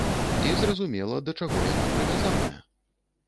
І зразумела да чаго яна прывязаная.